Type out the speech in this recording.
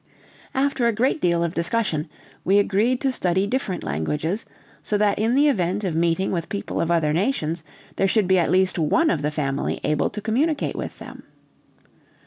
After a great deal of discussion, we agreed to study different languages, so that in the event of meeting with people of other nations, there should be at least one of the family able to communicate with them.